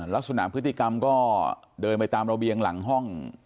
ลักษณะพฤติกรรมก็เดินไปตามระเบียงหลังห้อง